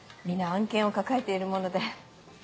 皆案件を抱えているもので。